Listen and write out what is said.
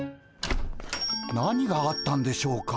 何があったんでしょうか？